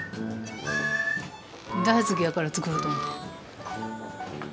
大好きやから作ろうと思って。